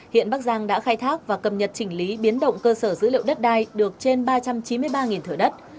hiện bắc giang đã khai thác và cập nhật chỉnh lý biến động cơ sở dữ liệu đất đai được trên ba trăm chín mươi ba thửa đất